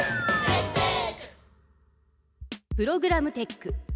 プログラムテック。